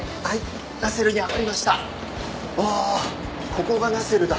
ここがナセルだ。